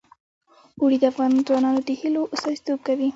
اوړي د افغان ځوانانو د هیلو استازیتوب کوي.